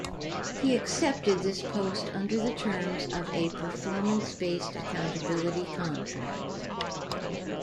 He accepted this post under the terms of a performance-based accountability contract.